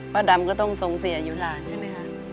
ดำก็ต้องทรงเสียอยู่หลานใช่ไหมคะ